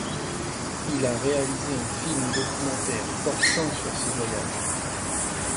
Il a réalisé un film documentaire portant sur ses voyages.